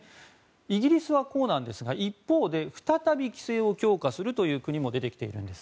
イギリスはこうなんですが一方で再び規制を強化するという国も出てきているんです。